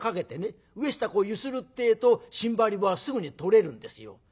上下こう揺するってえとしんばり棒はすぐに取れるんですよ。